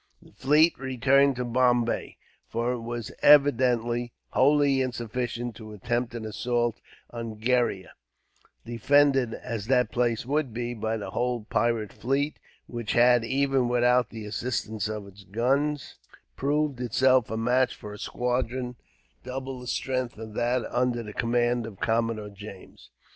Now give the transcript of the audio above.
The fleet returned to Bombay; for it was, evidently, wholly insufficient to attempt an assault on Gheriah; defended, as that place would be, by the whole pirate fleet; which had, even without the assistance of its guns, proved itself a match for a squadron double the strength of that under the command of Commodore James.